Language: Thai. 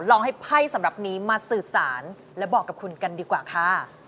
ลองให้ไพ่สำหรับนี้มาสื่อสารและบอกกับคุณกันดีกว่าค่ะ